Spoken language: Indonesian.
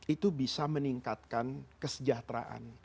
itu bisa meningkatkan kesejahteraan